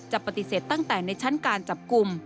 ปฏิเสธตั้งแต่ในชั้นการจับกลุ่ม